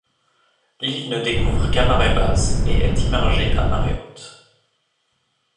L'île ne découvre qu'à marée basse et est immergée à marée haute.